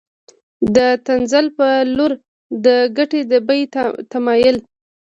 د تنزل په لور د ګټې د بیې تمایل